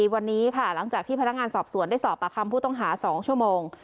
วันนี้ค่ะหลังจากที่พนักงานสอบสวนได้สอบปากคำผู้ต้องหา๒ชั่วโมง